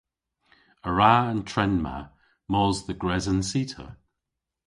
A wra an tre ma mos dhe gres an cita?